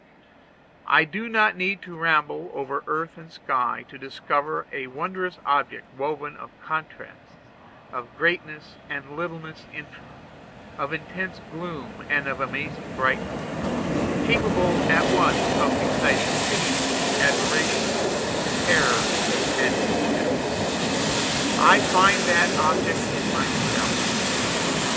I need not to ramble over earth and sky to discover a wondrous object woven of contrasts, of greatness and littleness infinite, of intense gloom and of amazing brightness capable at once of exciting pity, admiration, terror, contempt. I find that object in myself.